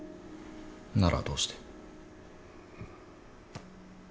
ならどうして？